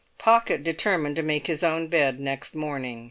Pocket determined to make his own bed next morning.